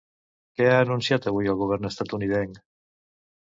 Què ha anunciat avui el govern estatunidenc?